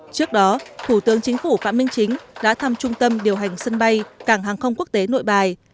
trước đó thủ tướng chính phủ phạm minh chính đã thăm trung tâm điều hành sân bay cảng hàng không quốc tế nội bài